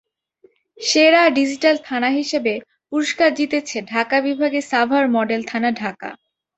সেরা ডিজিটাল থানা হিসেবে পুরস্কার জিতেছে ঢাকা বিভাগে সাভার মডেল থানা, ঢাকা।